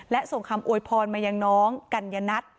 และส่งคำอวยพรมายังน้องกัญญนัท